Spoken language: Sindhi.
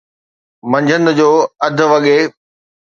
منجھند جو اڌ وڳي